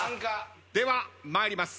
では参ります。